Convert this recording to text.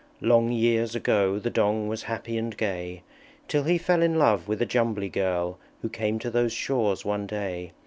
Long years ago The Dong was happy and gay, Till he fell in love with a Jumbly Girl Who came to those shores one day.